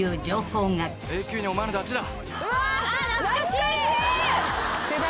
「永久にお前のダチだ」